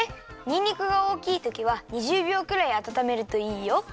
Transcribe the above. にんにくがおおきいときは２０びょうくらいあたためるといいよ。